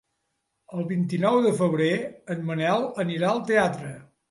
El vint-i-nou de febrer en Manel anirà al teatre.